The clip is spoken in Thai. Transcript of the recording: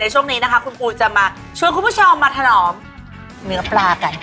ช่วงนี้นะคะคุณปูจะมาชวนคุณผู้ชมมาถนอมเนื้อปลากัน